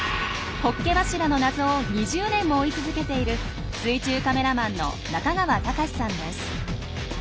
ホッケ柱の謎を２０年も追い続けている水中カメラマンの中川隆さんです。